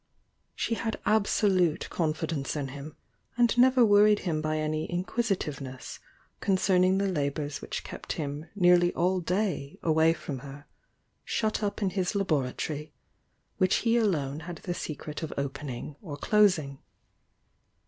She had absolute confi dence in him, and never worried him by any inquisi tiveness concerning the labours which kept him nearly all day away from her, shut up in his labor atory, which he alone had the secret of opening or closing.